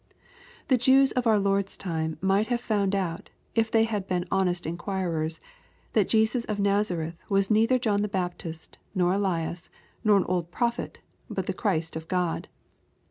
The Jews of our Lord's time might have found out, if they had been honest inquirers, that Jesus of Nazareth was neither John the Baptist, nor Ellas, nor an old prophet, but the Christ of Grod.